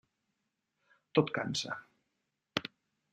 Tot cansa.